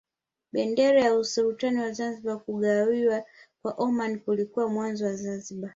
Bendera ya Usultani wa Zanzibar Kugawiwa kwa Omani kulikuwa mwanzo wa Zanzibar